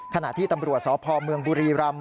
ขณะที่ตำรวจสพเมืองบุรีรำ